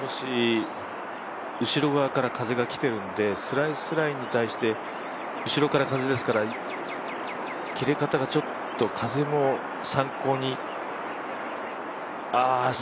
少し後ろ側から風が来てるんでスライスラインに対して後ろから風ですから切れ方がちょっと風も参考に。